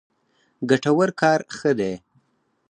ګټور کار ښه دی.